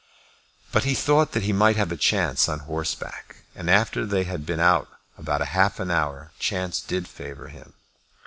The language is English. But he thought that he might have a chance on horseback; and after they had been out about half an hour, chance did favour him.